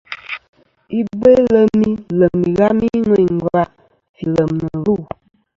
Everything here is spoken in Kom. Ibolem ilem ìghami ŋweyn ngva fi lem nɨ lu'.